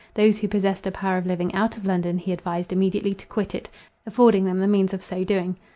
Those who possessed a power of living out of London, he advised immediately to quit it, affording them the means of so doing.